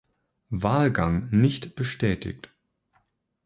Wahlgang nicht bestätigt.